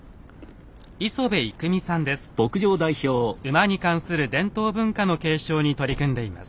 馬に関する伝統文化の継承に取り組んでいます。